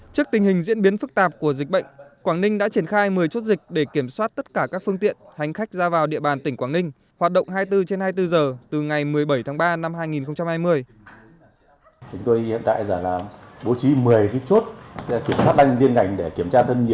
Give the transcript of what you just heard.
trước tình hình diễn biến phức tạp của dịch bệnh quảng ninh đã triển khai một mươi chốt dịch để kiểm soát tất cả các phương tiện hành khách ra vào địa bàn tỉnh quảng ninh hoạt động hai mươi bốn trên hai mươi bốn giờ từ ngày một mươi bảy tháng ba năm hai nghìn hai mươi